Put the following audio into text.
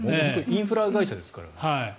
インフラ会社ですから。